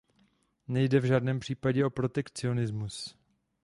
Nejde v žádném případě o protekcionismus.